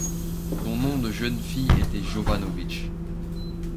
Son nom de jeune fille était Jovanović.